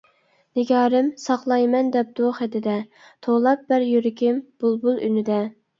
نىگارىم «ساقلايمەن» دەپتۇ خېتىدە، توۋلاپ بەر يۈرىكىم بۇلبۇل ئۈنىدە.